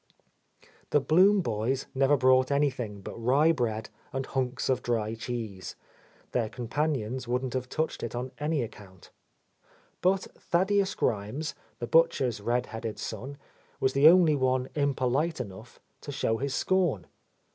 The Blum boys never brought any thing but rye bread and hunks of dry cheese, —■ their companions wouldn't have touched it on any account. But Thaddeus Grimes, the butcher's red headed son, was the only one impolite enough to show his scorn.